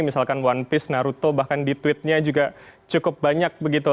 misalkan one piece naruto bahkan di tweetnya juga cukup banyak begitu